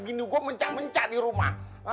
bini gua mencak mencak di rumah